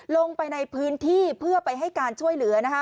ลงไปในพื้นที่เพื่อไปให้การช่วยเหลือ